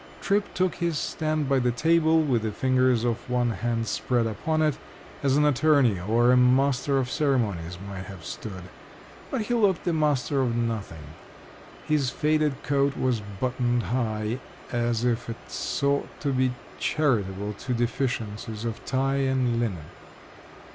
Tripp took his stand by the table, with the fingers of one hand spread upon it, as an attorney or a master of ceremonies might have stood. But he looked the master of nothing. His faded coat was buttoned high, as if it sought to be charitable to deficiencies of tie and linen.